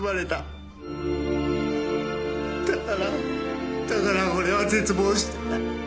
だからだから俺は絶望して。